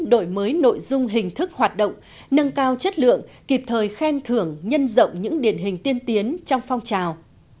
đổi mới nội dung hình thức hoạt động nâng cao chất lượng kịp thời khen thưởng nhân rộng những điển hình tiên tiến trong phong trào